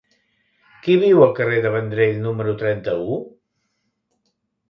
Qui viu al carrer de Vendrell número trenta-u?